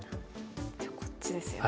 じゃあこっちですよね。